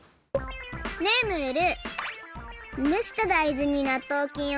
ねえムール！